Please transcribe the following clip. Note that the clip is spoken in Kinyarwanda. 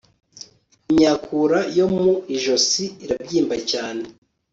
imyakura yo mu ijosi irabyimba cyane